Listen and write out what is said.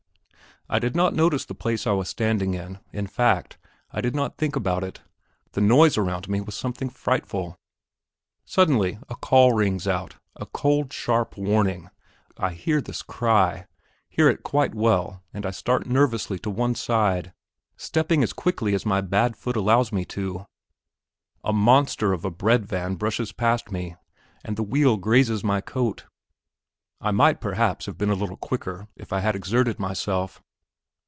I did not notice the place I was standing in; in fact, I did not think about it; the noise around me was something frightful. Suddenly a call rings out, a cold, sharp warning. I hear this cry hear it quite well, and I start nervously to one side, stepping as quickly as my bad foot allows me to. A monster of a bread van brushes past me, and the wheel grazes my coat; I might perhaps have been a little quicker if I had exerted myself.